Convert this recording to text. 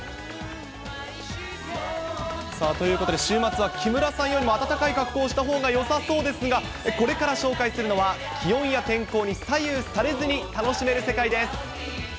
さあ、ということで週末は木村さんよりも暖かい格好をしたほうがよさそうですが、これから紹介するのは、気温や天候に左右されずに楽しめる世界です。